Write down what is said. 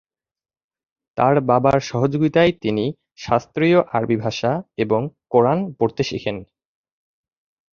তার বাবার সহযোগিতায় তিনি শাস্ত্রীয় আরবি ভাষা এবং কোরআন পড়তে শিখেন।